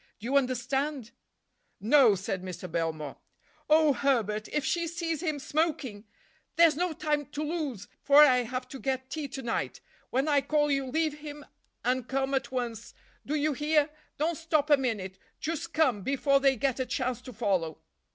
Do you understand?" "No," said Mr. Belmore. "Oh, Herbert! If she sees him smoking—! There's no time to lose, for I have to get tea to night. When I call you, leave him and come at once, do you hear? Don't stop a minute—just come, before they get a chance to follow."